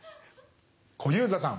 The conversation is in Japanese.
小遊三さん